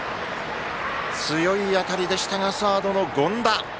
強い当たりでしたがサードの権田！